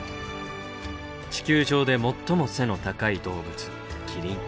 地球上で最も背の高い動物キリン。